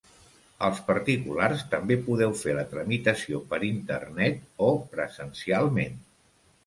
Els particulars també podeu fer la tramitació per internet o presencialment.